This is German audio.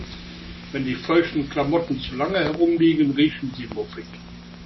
Wenn die feuchten Klamotten zu lange herumliegen, riechen sie muffig.